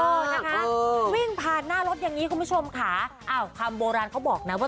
นะคะวิ่งผ่านหน้ารถอย่างนี้คุณผู้ชมค่ะอ้าวคำโบราณเขาบอกนะว่า